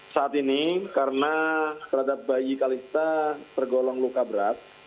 saat ini karena terhadap bayi kalista tergolong luka berat